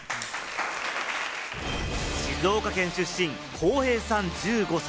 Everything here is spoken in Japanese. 静岡県出身、コウヘイさん１５歳。